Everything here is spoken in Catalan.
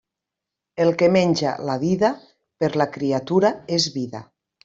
El que menja la dida, per la criatura és vida.